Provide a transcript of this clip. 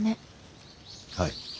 はい。